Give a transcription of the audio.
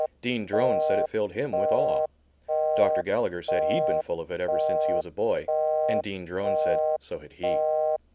Dean Drone said it filled him with awe. Dr. Gallagher said he'd been full of it ever since he was a boy; and Dean Drone said so had he.